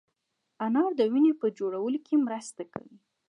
انار د وینې په جوړولو کې مرسته کوي.